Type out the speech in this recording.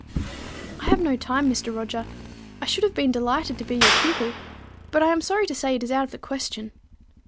"I have no time, Mr. Roger. I should have been delighted to be your pupil; but I am sorry to say it is out of the question."